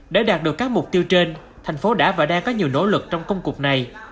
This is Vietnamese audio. để đạt được các mục tiêu trên thành phố đã và đang có nhiều nỗ lực trong công cuộc này